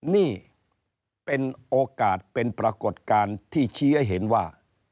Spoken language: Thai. นี่เป็นโอกาสเป็นปรากฏการณ์ที่ชี้ให้เห็นว่า